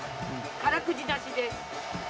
空くじなしです。